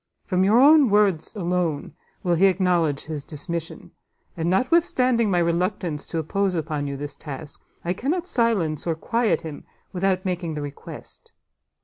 From your own words alone will he acknowledge his dismission; and notwithstanding my reluctance to impose upon you this task, I cannot silence or quiet him without making the request.